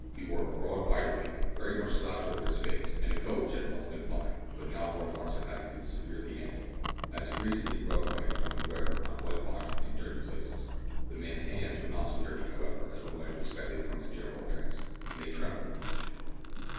He wore a broad wide awake, very much slouched over his face, and a coat which had once been fine, but now bore marks of having been severely handled as if recently rubbed by a drunken wearer on whitewashed and dirty places. The man's hands were not so dirty, however, as one might have expected from his general appearance, and they trembled much.